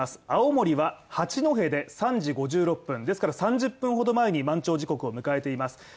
青森は八戸で３時５６分ですから３０分ほど前に満潮時刻を迎えています。